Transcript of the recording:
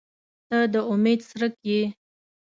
• ته د امید څرک یې.